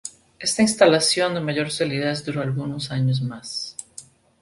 Esta instalación, de mayor solidez, duró algunos años más.